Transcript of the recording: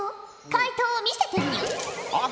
解答を見せてみよ。